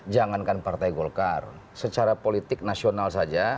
jangankan partai golkar secara politik nasional saja